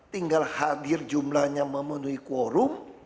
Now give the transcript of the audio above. tinggal hadir jumlahnya memenuhi quorum